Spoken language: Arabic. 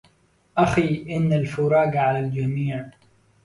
آخي إن الفراق على الجميع